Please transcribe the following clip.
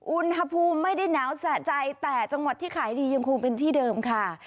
อุณหภูมิไม่ได้หนาวสะใจแต่จังหวัดที่ขายดียังคงเป็นที่เดิมค่ะ